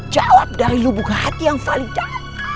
jawab dari lubuk hati yang validar